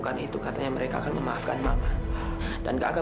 dan hati hati kamu juga berjalan ke rumah